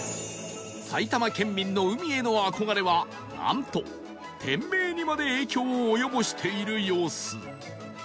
埼玉県民の海への憧れはなんと店名にまで影響を及ぼしている様子